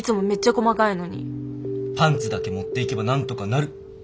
パンツだけ持っていけばなんとかなる。